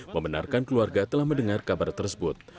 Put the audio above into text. membenarkan keluarga telah mendengar kabar tersebut